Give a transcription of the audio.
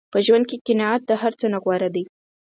په ژوند کې قناعت د هر څه نه غوره دی.